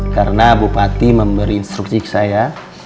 karena bupati memberi instruksi ke saya